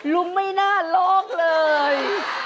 ลูกไม่น่ารกเลย